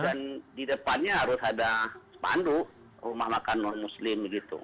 dan di depannya harus ada pandu rumah makan non muslim begitu